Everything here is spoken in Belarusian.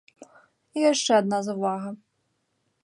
І яшчэ адна заўвага.